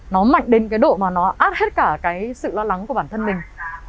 nó mạnh đến cái độ mà nó áp hết cả cái sự lo lắng của bản thân mình